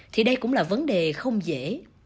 thì đây cũng là vấn đề không dễ